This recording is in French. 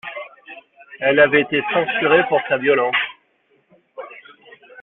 Il avait été censuré pour sa violence.